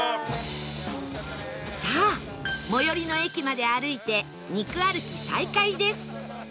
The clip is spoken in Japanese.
さあ最寄りの駅まで歩いて肉歩き再開です